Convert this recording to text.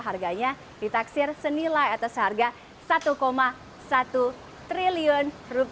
harganya ditaksir senilai atas harga rp satu satu triliun